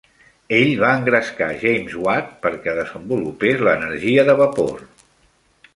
Ell va engrescar James Watt per a que desenvolupés l'energia de vapor.